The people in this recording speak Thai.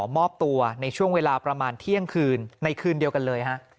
มอบตัวในช่วงเวลาประมาณเที่ยงคืนในคืนเดียวกันเลยฮะ